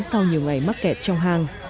sau nhiều ngày mắc kẹt trong hàng